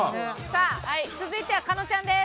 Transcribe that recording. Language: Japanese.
さあ続いては加納ちゃんです。